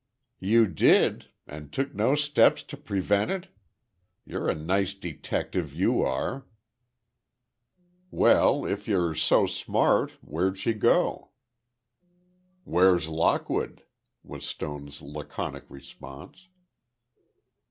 "You did! And took no steps to prevent it! You're a nice detective, you are. Well, if you're so smart, where'd she go?" "Where's Lockwood?" was Stone's laconic response.